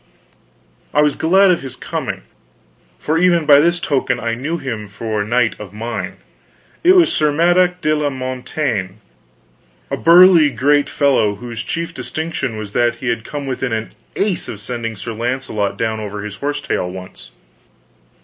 I was glad of his coming, for even by this token I knew him for knight of mine. It was Sir Madok de la Montaine, a burly great fellow whose chief distinction was that he had come within an ace of sending Sir Launcelot down over his horse tail once.